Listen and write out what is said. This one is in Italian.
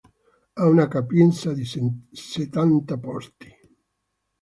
Ha una capienza di settanta posti.